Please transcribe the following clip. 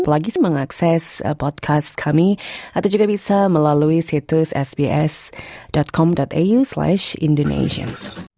apalagi mengakses podcast kami atau juga bisa melalui situs sbs com aus liesh indonesian